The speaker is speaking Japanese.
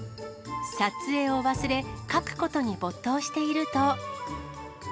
撮影を忘れ、書くことに没頭していると。